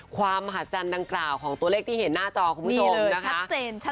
มหาจันทร์ดังกล่าวของตัวเลขที่เห็นหน้าจอคุณผู้ชมนะคะ